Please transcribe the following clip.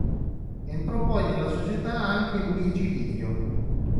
Entrò poi nella società anche Luigi Livio.